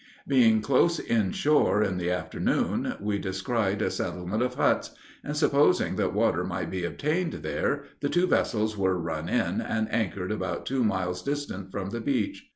Being close in shore in the afternoon, we descried a settlement of huts; and, supposing that water might be obtained there, the two vessels were run in, and anchored about two miles distant from the beach.